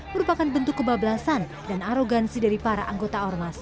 merupakan bentuk kebablasan dan arogansi dari para anggota ormas